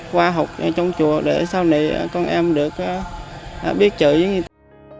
qua học trong chùa để sau này con em được biết chửi với người ta